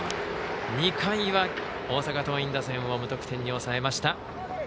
２回は大阪桐蔭打線を無得点に抑えました。